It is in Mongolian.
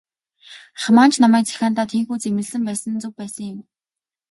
Ах маань ч намайг захиандаа тийнхүү зэмлэсэн байсан нь зөв байсан юм.